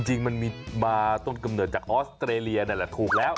จริงมันมีมาต้นกำเนิดจากออสเตรเลียนั่นแหละถูกแล้ว